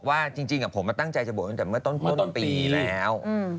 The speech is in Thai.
แต่เขาก็ตั้งใจจะบวชมันจากเมื่อต้นปีจนที่แล้ว